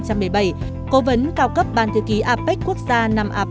cố vấn cao cấp ban thư ký apec quốc gia năm hai nghìn hai nghìn một mươi ba